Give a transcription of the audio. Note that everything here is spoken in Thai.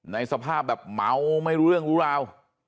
สภาพแบบเมาไม่รู้เรื่องรู้ราว